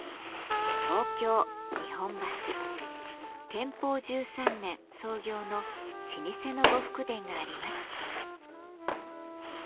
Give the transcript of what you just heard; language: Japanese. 天保１３年創業の老舗の呉服店があります。